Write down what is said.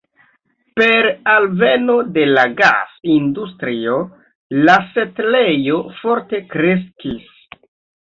Per alveno de la gas-industrio, la setlejo forte kreskis.